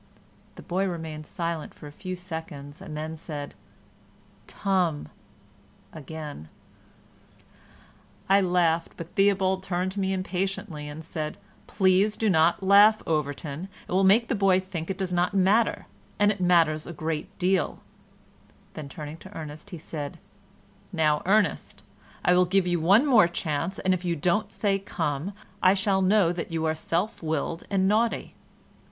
The boy remained silent a few seconds and then said "tum" again. I laughed, but Theobald turned to me impatiently and said, "Please do not laugh, Overton; it will make the boy think it does not matter, and it matters a great deal;" then turning to Ernest he said, "Now, Ernest, I will give you one more chance, and if you don't say 'come,' I shall know that you are self willed and naughty."